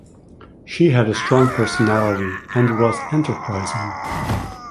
She had a strong personality and was enterprising.